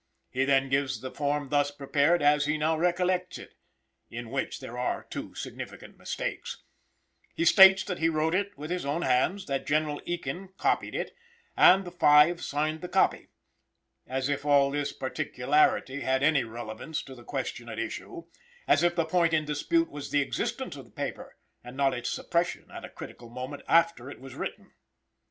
He then gives the form thus prepared as he now recollects it (in which there are two significant mistakes); he states that he wrote it with his own hands, that General Ekin copied it, and the five signed the copy; as if all this particularity had any relevance to the question at issue, as if the point in dispute was the existence of the paper, and not its suppression at a critical moment after it was written.